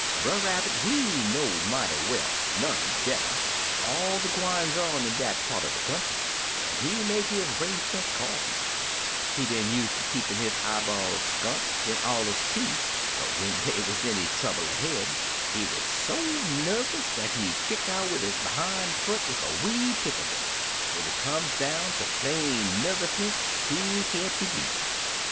Brer Rabbit, he know mighty well — none better — all de gwines on in dat part er de country, an' he make his 'rangerments 'cordin'. He been use ter keepin' his eyc 122 Brother Fox's Family Trouble ball skunt when all 'uz peace, but when dey wuz any trouble ahead, he wuz so nervious dat he 'd kick out wid his behime foot ef a weed tickled 'im. When it come down ter plain nerviousness, he can't be beat.